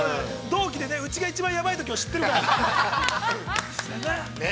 ◆同期でうちが一番やばいときを知ってるからね。